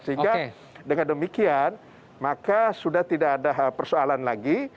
sehingga dengan demikian maka sudah tidak ada persoalan lagi